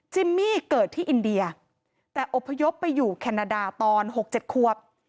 มี่เกิดที่อินเดียแต่อบพยพไปอยู่แคนาดาตอน๖๗ควบ